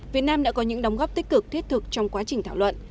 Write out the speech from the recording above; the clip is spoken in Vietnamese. việt nam đã có những đóng góp tích cực thiết thực trong quá trình thảo luận